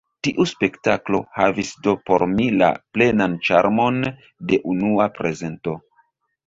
Tiu spektaklo havis do por mi la plenan ĉarmon de unua prezento.